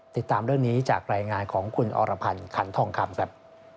ติดตามเรื่องนี้จากรายงานของคุณอรพันธ์ขันทองคำครับ